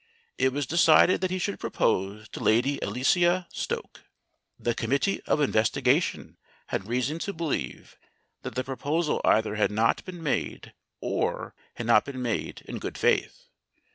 It was decided that he should propose to Lady Alicia Stoke. The Committee of Investigation had reason to believe that the proposal either had not been made or had not been made in good faith.